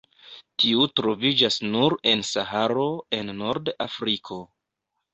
Tiu troviĝas nur en Saharo en Nord-Afriko.